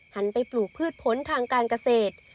หันไปปลูกพืชผลทางการเกษตร